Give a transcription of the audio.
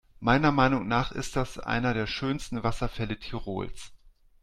Meiner Meinung nach ist das einer der schönsten Wasserfälle Tirols.